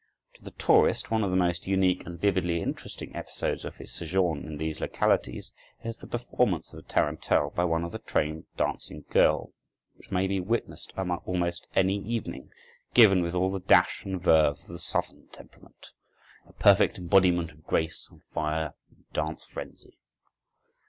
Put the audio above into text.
To the tourist one of the most unique and vividly interesting episodes of his sojourn in these localities is the performance of the tarantelle by one of the trained dancing girls, which may be witnessed almost any evening, given with all the dash and verve of the southern temperament, a perfect embodiment of grace and fire and dance frenzy.